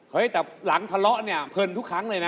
เฮ้ยแต่หลังธหล่อเนี่ยเพิ่นทุกครั้งเลยนะ